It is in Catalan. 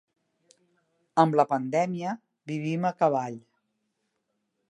Amb la pandèmia, vivim a cavall.